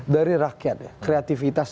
dari rakyat kreativitas